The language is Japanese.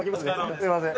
すみません。